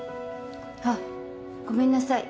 あっごめんなさい。